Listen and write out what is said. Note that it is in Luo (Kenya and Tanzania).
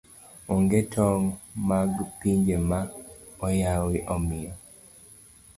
Onge tong' mag pinje ma oyawi omiyo